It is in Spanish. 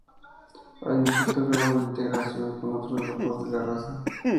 Hay un cierto grado de integración con otros grupos de la raza.